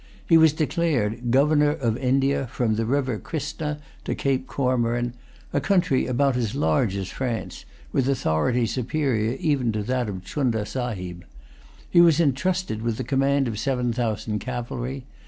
He was declared Governor of India from the river Kristna to Cape Comorin, a country about as large as France, with authority superior even to that of Chunda Sahib. He was intrusted with the command of seven thousand cavalry.